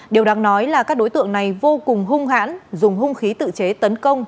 điều đáng nói là các đối tượng này vô cùng hung hãn dùng hung khí tự chế tấn công